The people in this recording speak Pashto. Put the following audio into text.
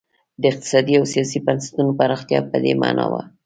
د اقتصادي او سیاسي بنسټونو پراختیا په دې معنا وه.